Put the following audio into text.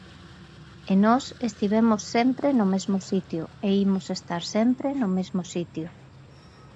E nós estivemos sempre no mesmo sitio e imos estar sempre no mesmo sitio.